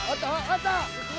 あった？